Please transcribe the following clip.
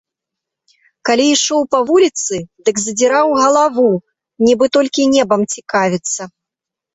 Калі ішоў па вуліцы, дык задзіраў галаву, нібы толькі небам цікавіцца.